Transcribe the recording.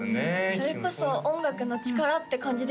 それこそ音楽の力って感じですね